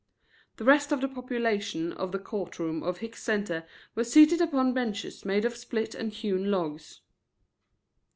The rest of the population of the court room of Hicks Center were seated upon benches made of split and hewn logs.